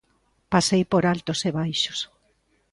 Pasei por altos e baixos.